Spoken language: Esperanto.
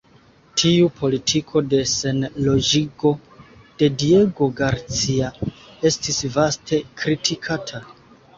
Tiu politiko de Senloĝigo de Diego Garcia estis vaste kritikata.